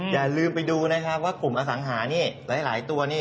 อย่าลืมไปดูว่ากลุ่มอสังหาหลายตัว